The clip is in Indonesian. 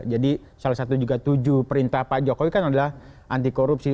jadi salah satu juga tujuh perintah pak jokowi kan adalah anti korupsi